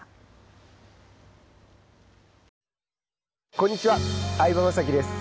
こんにちは相葉雅紀です。